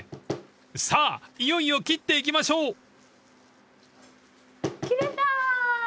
［さあいよいよ切っていきましょう！］切れた。